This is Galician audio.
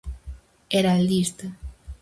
Heraldista.